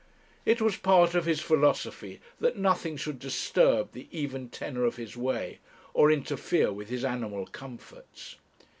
It was part of his philosophy that nothing should disturb the even tenor of his way, or interfere with his animal comforts.